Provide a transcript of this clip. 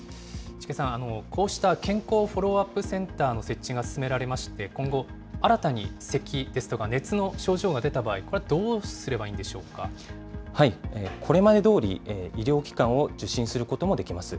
市毛さん、こうした健康フォローアップセンターの設置が進められまして、今後、新たにせきですとか熱の症状が出た場合、これはどこれまでどおり、医療機関を受診することもできます。